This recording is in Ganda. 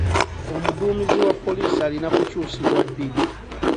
Omudduumizi wa poliisi alina kukyusibwa ddi?